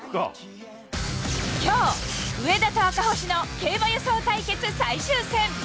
きょう、上田と赤星の競馬予想対決最終戦。